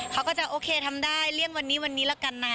เขาก็จะโอเคทำได้เลี่ยงวันนี้วันนี้ละกันนะ